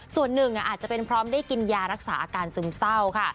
ส่วนหนึ่งอาจจะเป็นพร้อมได้กินยารักษาอาการซึมเศร้าค่ะ